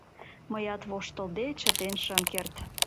Мыят воштылде, чытен шым керт.